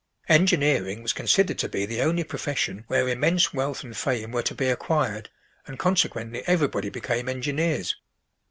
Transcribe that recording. Engineering was considered to be the only profession where immense wealth and fame were to be acquired, and consequently everybody became engineers.